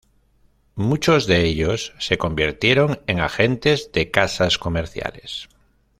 Muchos de ellos se convirtieron en agentes de casas comerciales.